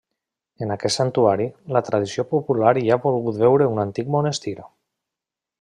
En aquest santuari, la tradició popular hi ha volgut veure un antic monestir.